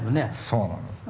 そうなんです。